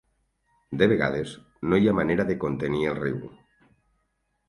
De vegades, no hi ha manera de contenir el riu.